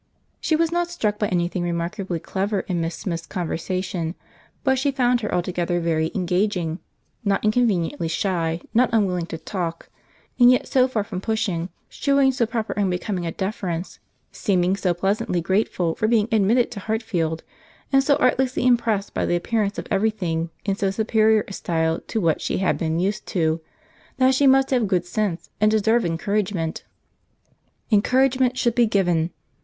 She was not struck by any thing remarkably clever in Miss Smith's conversation, but she found her altogether very engaging—not inconveniently shy, not unwilling to talk—and yet so far from pushing, shewing so proper and becoming a deference, seeming so pleasantly grateful for being admitted to Hartfield, and so artlessly impressed by the appearance of every thing in so superior a style to what she had been used to, that she must have good sense, and deserve encouragement. Encouragement should be given.